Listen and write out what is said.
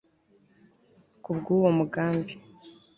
Kubwuwo mugambi